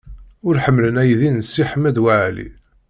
Ur ḥemmlen aydi n Si Ḥmed Waɛli.